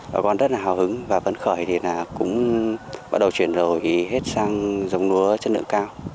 bà con rất là hào hứng và vẫn khởi thì là cũng bắt đầu chuyển đổi hết sang dòng lúa chất lượng cao